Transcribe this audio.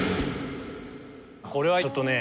これはちょっとね